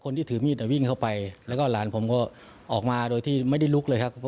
คนที่ถือมีดวิ่งเข้าไปแล้วก็หลานผมก็ออกมาโดยที่ไม่ได้ลุกเลยครับ